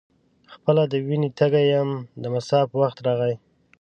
خپله د وینې تږی یم د مصاف وخت راغی.